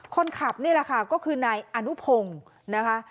คนขับนี่แหละค่ะก็คือนายอนุพงศ์นะคะ